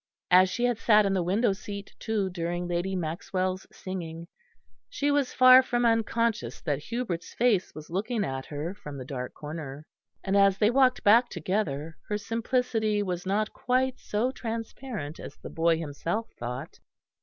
As she had sat in the window seat, too, during Lady Maxwell's singing, she was far from unconscious that Hubert's face was looking at her from the dark corner. And as they walked back together her simplicity was not quite so transparent as the boy himself thought.